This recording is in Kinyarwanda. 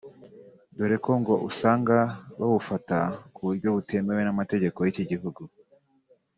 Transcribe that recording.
dore ko ngo usanga babufata ku buryo butemewe n’amategeko y’iki gihugu